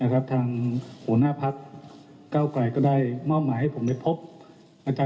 ก็เราก็ได้มีประชาชน